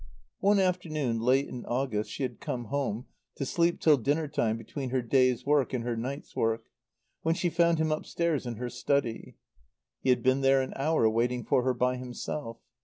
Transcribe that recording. One afternoon, late in August, she had come home, to sleep till dinner time between her day's work and her night's work, when she found him upstairs in her study. He had been there an hour waiting for her by himself.